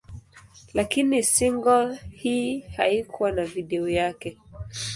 Lakini single hii haikuwa na video yake.